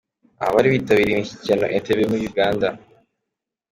Abari bitabiriye imishyikirano Entebbe muri Uganda